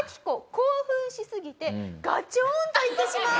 興奮しすぎてガチョーンと言ってしまう。